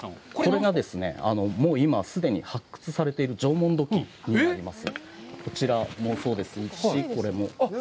これがもう今、既に発掘されている縄文土器になります。